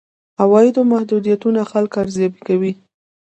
عوایدو محدودیتونه خلک ارزيابي کوي.